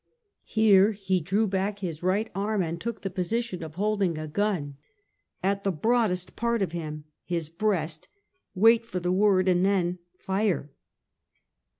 Here he drew back his right arm, and took the position of holding a gun, "at the broadest part of him, his breast; wait for the word, and then — fire!"